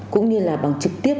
cũng như là bằng trực tiếp